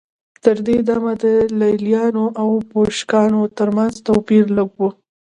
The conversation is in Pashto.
تر دې دمه د لېلیانو او بوشنګانو ترمنځ توپیر لږ و